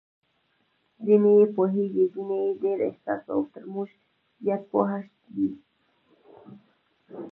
ځینې یې پوهېږي، ځینې یې ډېر حساس او تر موږ زیات پوه دي.